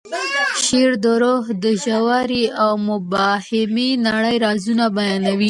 شعر د روح د ژورې او مبهمې نړۍ رازونه بیانوي.